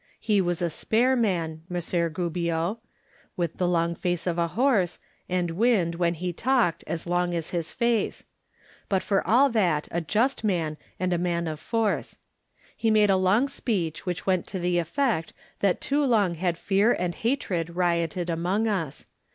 He was a spare man, Messer Gubbio, with the long face of a horse, and wind, when he talked, as long as his face; but for all that a just man and a man of force. He made a long speech which went to the effect that too long had fear and hatred rioted among us.